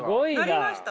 なりました。